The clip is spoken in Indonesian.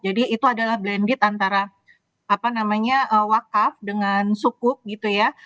jadi itu adalah blended antara apa namanya wakaf dengan sukuk gitu ya